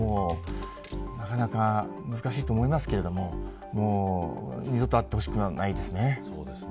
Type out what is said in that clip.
なかなか難しいと思いますけど二度とあってはほしくないですね。